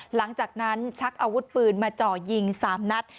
หลังจากนั้นชักอาวุธปืนมาจ่อยิง๓นัด